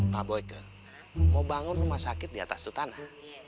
pak boyke mau bangun rumah sakit di atas sutana